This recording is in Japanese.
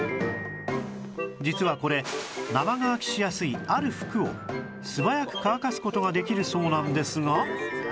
実はこれ生乾きしやすいある服を素早く乾かす事ができるそうなんですが